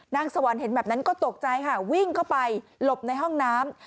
นางสวรรค์เห็นแบบนั้นก็ตกใจค่ะวิ่งเข้าไปหลบในห้องน้ำ